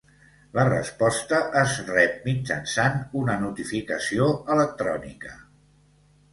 La resposta es rep mitjançant una notificació electrònica.